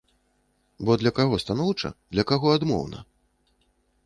Бо для каго станоўча, для каго адмоўна?